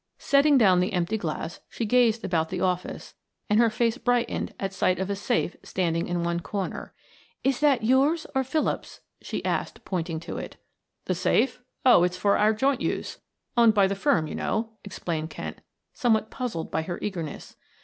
Setting down the empty glass she gazed about the office and her face brightened at sight of a safe standing in one corner. "Is that yours or Philip's?" she asked, pointing to it. "The safe? Oh, it's for our joint use, owned by the firm, you know," explained Kent, somewhat puzzled by her eagerness.